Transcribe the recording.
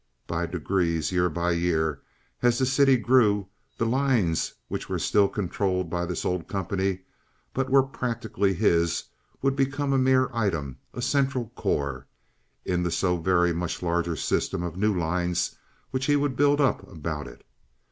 By degrees, year by year, as the city grew, the lines which were still controlled by this old company, but were practically his, would become a mere item, a central core, in the so very much larger system of new lines which he would build up about it.